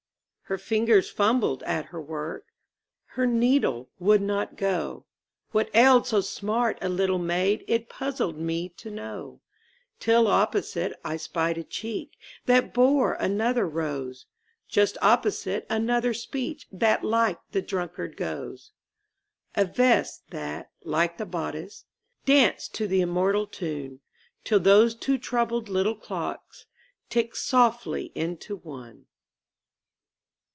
Her fingers fumbled at her work, Her needle would not go; What ailed so smart a little maid It puzzled me to know, Till opposite I spied a cheek That bore another rose; Just opposite, another speech That like the drunkard goes; A vest that, like the bodice, danced To the immortal tune, Till those two troubled little clocks Ticked softly into one.